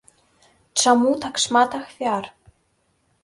Чаму так шмат ахвяр?